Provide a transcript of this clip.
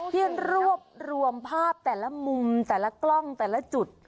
ที่รวบรวมภาพแต่ละมุมแต่ละกล้องแต่ละจุด